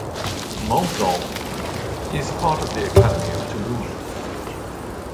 Monblanc is part of the Academy of Toulouse.